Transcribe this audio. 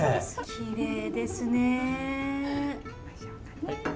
きれいですね。